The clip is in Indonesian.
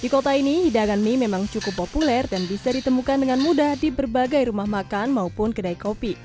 di kota ini hidangan mie memang cukup populer dan bisa ditemukan dengan mudah di berbagai rumah makan maupun kedai kopi